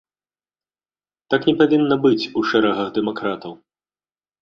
Так не павінна быць у шэрагах дэмакратаў!